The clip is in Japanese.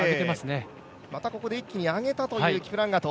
また一気に上げたというキプランガト。